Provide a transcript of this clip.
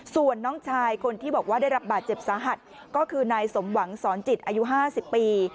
ส่วนน้องชายคนที่บอกว่าได้รับบาดเจ็บสาหัสก็คือนายสมหวังสอนจิตอายุ๕๐ปี